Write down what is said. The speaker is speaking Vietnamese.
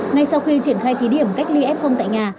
ngay sau khi triển khai thí điểm cách ly f tại nhà